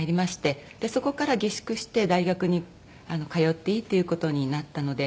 そこから下宿して大学に通っていいっていう事になったので。